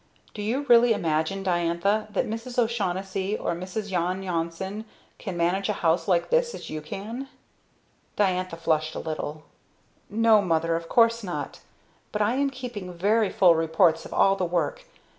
"Do you really imagine, Diantha, that Mrs. O'Shaughnessy or Mrs. Yon Yonson can manage a house like this as you can?" Diantha flushed a little. "No, mother, of course not. But I am keeping very full reports of all the work.